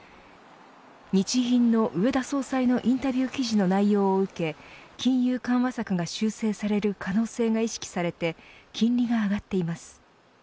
日銀の植田総裁のインタビュー記事の内容を受け金融緩和策が修正される可能性が意識されて金利が上がっています。